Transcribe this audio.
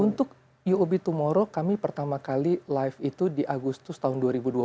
untuk uob tomorrow kami pertama kali live itu di agustus tahun dua ribu dua puluh